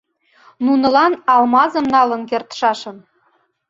Нунылан алмазым налын кертшашын